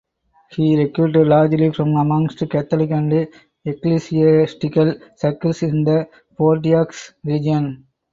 He recruited largely from amongst Catholic and ecclesiastical circles in the Bordeaux region.